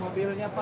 pak mobilnya pak